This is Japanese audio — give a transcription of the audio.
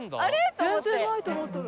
全然ないと思ったら。